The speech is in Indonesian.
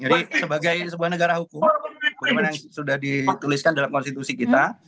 jadi sebagai sebuah negara hukum bagaimana yang sudah dituliskan dalam konstitusi kita